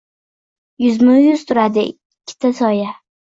Yuzma-yuz turadi ikkita soya